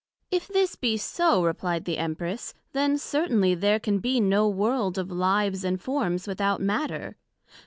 If this be so, replied the Empress, then certainly there can be no world of Lives and Forms without Matter?